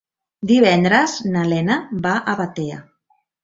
Divendres na Lena va a Batea.